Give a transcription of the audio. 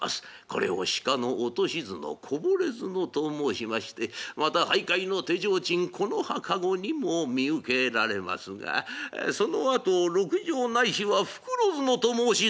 これを鹿の落とし角こぼれ角と申しましてまた俳諧の手提灯木ノ葉籠にも見受けられますがそのあと鹿茸ないしは袋角と申し」。